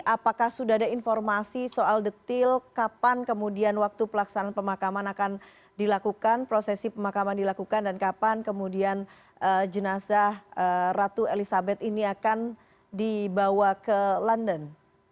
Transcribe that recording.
apakah sudah ada informasi soal detil kapan kemudian waktu pelaksanaan pemakaman akan dilakukan prosesi pemakaman dilakukan dan kapan kemudian jenazah ratu elizabeth ini akan dibawa ke london